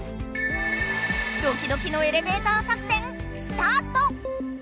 ドキドキのエレベーター作戦スタート！